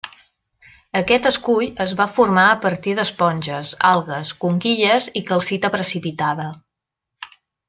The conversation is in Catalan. Aquest escull es va formar a partir d'esponges, algues, conquilles i calcita precipitada.